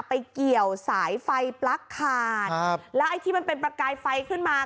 ไปเกี่ยวสายไฟปลั๊กขาดครับแล้วไอ้ที่มันเป็นประกายไฟขึ้นมา